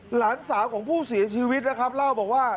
หลานสาวของผู้เสียชีวิตนะครับเล่าบอกว่า